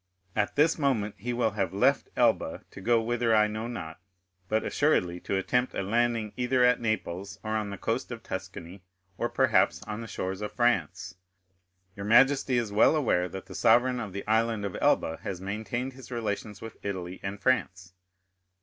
At this moment he will have left Elba, to go whither I know not, but assuredly to attempt a landing either at Naples, or on the coast of Tuscany, or perhaps on the shores of France. Your majesty is well aware that the sovereign of the Island of Elba has maintained his relations with Italy and France?"